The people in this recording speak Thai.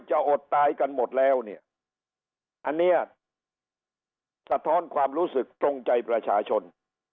อดตายกันหมดแล้วเนี่ยอันเนี้ยสะท้อนความรู้สึกตรงใจประชาชน